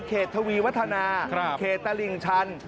ทวีวัฒนาเขตตลิ่งชัน